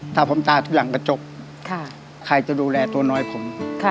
ถ้าผมตายทุกหลังกระจกใครจะดูแลตัวน้อยผม